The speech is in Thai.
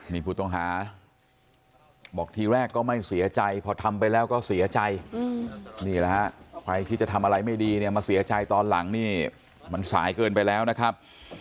นี่ผู้ต้องหาบอกทีแรกก็ไม่เสียใจพอทำไปแล้วก็เสียใจนี่แหละฮะใครคิดจะทำอะไรไม่ดีเนี่ยมาเสียใจตอนหลังนี่มันสายเกินไปแล้วนะครับ